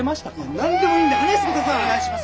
何でもいいんで話して下さい！